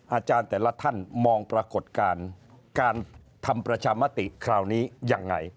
อาจารย์แต่ละท่านมองปรากฏการณ์การทำประชามติคราวนี้ยังไง